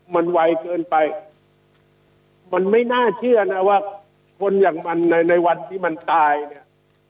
มันไวเกินไปมันไม่น่าเชื่อนะว่าคนอย่างมันในในวันที่มันตายเนี่ย